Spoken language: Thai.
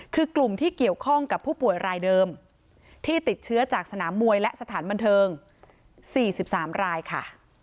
คือกลุ่มที่เกี่ยวข้องกับผู้ป่วยรายเดิมที่ติดเชื้อจากสนามมวยและสถานบันเทิง๔๓รายค่ะ